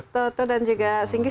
toto dan juga singgi